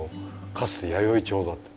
かつて弥生町だった。